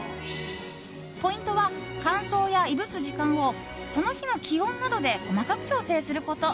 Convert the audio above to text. ポイントは、乾燥やいぶす時間をその日の気温などで細かく調整すること。